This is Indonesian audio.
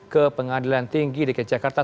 ke pengadilan tinggi dki jakarta